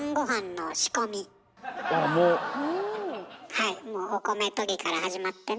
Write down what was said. はいもうお米とぎから始まってね。